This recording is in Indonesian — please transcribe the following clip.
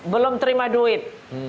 belum terima duit